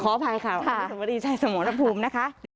อภัยค่ะอนุสวรีชัยสมรภูมินะคะ